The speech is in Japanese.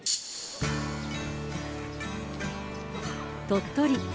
鳥取。